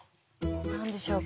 何でしょうか？